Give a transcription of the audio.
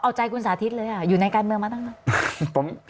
เอาใจคุณสาธิตเลยค่ะอยู่ในการเมืองมาตั้งนาน